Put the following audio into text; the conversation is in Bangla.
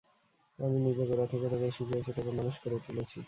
আমিই নিজে গোড়া থেকে তোকে শিখিয়েছি, তোকে মানুষ করে তুলেছি।